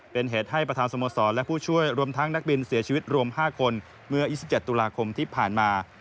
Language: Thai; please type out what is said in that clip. เป็นเหตุให้ประธานสโมสรและผู้ช่วยรวมทั้งนักบินเสียชีวิตรวม๕คนเมื่อ๒๗ตุลาคมที่ผ่านมา